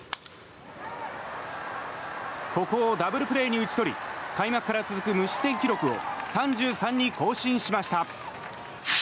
ここをダブルプレーに打ち取り開幕から続く無失点記録を３３に更新しました。